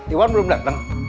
iwan belum dateng